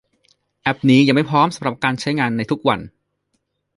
แอพนี้ยังไม่พร้อมสำหรับการใช้งานในทุกวัน